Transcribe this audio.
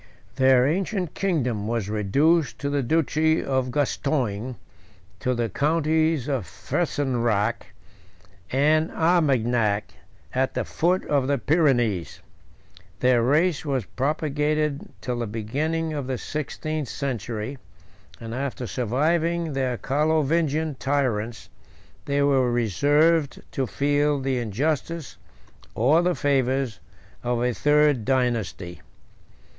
Their ancient kingdom was reduced to the duchy of Gascogne, to the counties of Fesenzac and Armagnac, at the foot of the Pyrenees: their race was propagated till the beginning of the sixteenth century; and after surviving their Carlovingian tyrants, they were reserved to feel the injustice, or the favors, of a third dynasty.